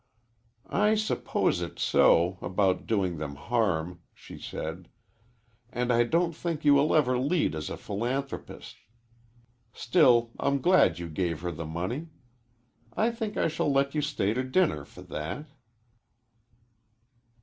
"I suppose it's so, about doing them harm," she said, "and I don't think you will ever lead as a philanthropist. Still, I'm glad you gave her the money. I think I shall let you stay to dinner for that."